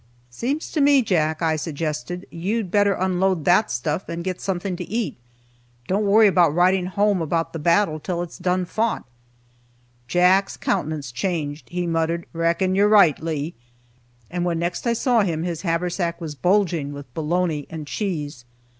"Seems to me, Jack," I suggested, "you'd better unload that stuff, and get something to eat. Don't worry about writing home about the battle till it's done fought." Jack's countenance changed, he muttered, "Reckon you're right, Lee;" and when next I saw him, his haversack was bulging with bologna and cheese.